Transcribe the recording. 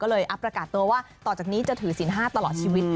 ก็เลยอัพประกาศตัวว่าต่อจากนี้จะถือสิน๕ตลอดชีวิต